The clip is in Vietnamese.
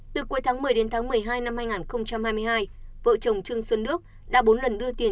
từ cuối tháng một mươi đến tháng một mươi hai năm hai nghìn hai mươi hai vợ chồng trương xuân nước đã bốn lần đưa tiền